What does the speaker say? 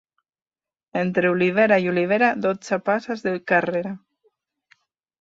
Entre olivera i olivera, dotze passes de carrera.